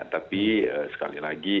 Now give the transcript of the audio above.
tapi sekali lagi